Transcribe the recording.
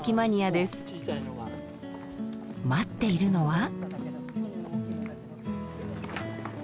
待っているのは。